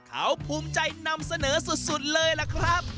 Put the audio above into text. เขาภูมิใจนำเสนอสุดเลยล่ะครับ